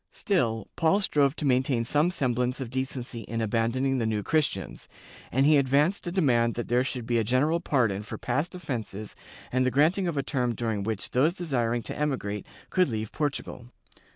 Still, Paul strove to maintain some semblance of decency in abandoning the New Christians, and he advanced a demand that there should be a general pardon for past offences and the granting of a term during which those desiring to emigrate could leave Portugal.